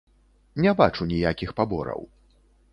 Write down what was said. Не бачу ніякіх пабораў.